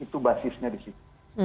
itu basisnya di situ